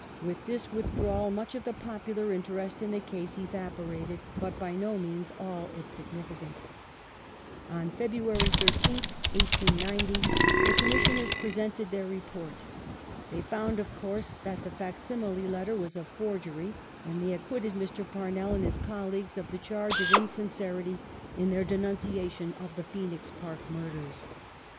With this withdrawal much of the popular interest in the case evaporated, but by no means all its significance. On February 13th, 1890, the Commissioners presented their Report of Report. They found, of course, that the facsimile letter was a ^5 9°^" forgery, and they acquitted Mr. Parnell and his colleagues of the charge of insincerity in their denunciation of the Phoenix Park murders.